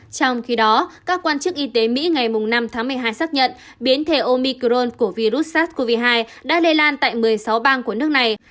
trong khi đó các quan chức y tế mỹ ngày năm tháng một mươi hai xác nhận biến thể omicron của virus sars cov hai đã lây lan tại một mươi sáu bang của nước này